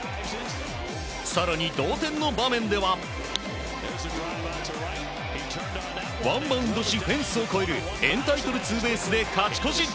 更に、同点の場面ではワンバウンドしフェンスを越えるエンタイトルツーベースで勝ち越し。